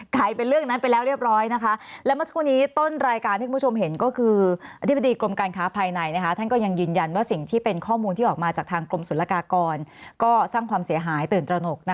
กลายเป็นเรื่องนั้นไปแล้วเรียบร้อยนะคะและเมื่อสักครู่นี้ต้นรายการที่คุณผู้ชมเห็นก็คืออธิบดีกรมการค้าภายในท่านก็ยังยืนยันว่าสิ่งที่เป็นข้อมูลที่ออกมาจากทางกรมศุลกากรก็สร้างความเสียหายตื่นตระหนก